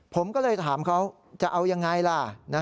ผมก็เลยถามเขาจะเอายังไงล่ะ